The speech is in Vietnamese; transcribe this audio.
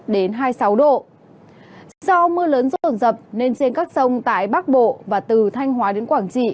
do mưa lớn rông rập nên trên các rông tại bắc bộ và từ thanh hóa đến quảng trị